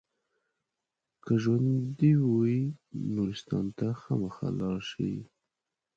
که ژوندي وئ نورستان ته خامخا لاړ شئ.